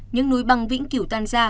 những núi băng vĩnh cửu